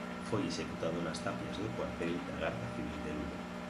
Foi executado nas tapias do cuartel da Garda Civil de Lugo.